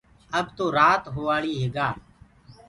اب تو رآت هووآݪيٚ هي گآ